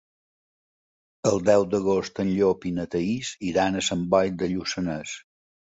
El deu d'agost en Llop i na Thaís iran a Sant Boi de Lluçanès.